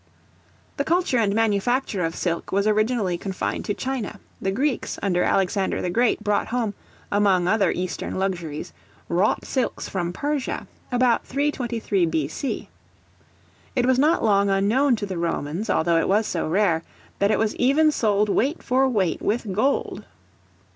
The culture and manufacture of silk was originally confined to China. The Greeks, under Alexander the Great, brought home, among other Eastern luxuries, wrought silks from Persia, about 323, B.C. It was not long unknown to the Romans, although it was so rare, that it was even sold weight for weight with gold.